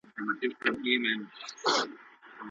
څنګه ځايي بڼوال تور جلغوزي عربي هیوادونو ته لیږدوي؟